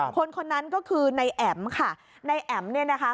คนคนนั้นก็คือนายแอ๋มค่ะนายแอ๋มเนี่ยนะคะ